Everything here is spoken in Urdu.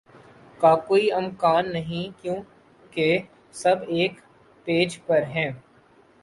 کا کوئی امکان نہیں کیونکہ سب ایک پیج پر ہیں